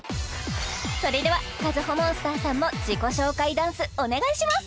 それではＫａｚｕｈｏＭｏｎｓｔｅｒさんも自己紹介ダンスお願いします！